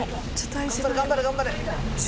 頑張れ頑張れ頑張れ。